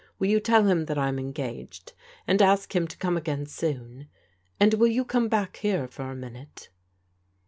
Will you tell him that I'm engaged, and ask him to come again soon — and will you come back here for a minute